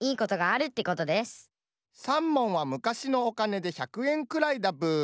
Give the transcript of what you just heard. さんもんはむかしのおかねで１００えんくらいだブー。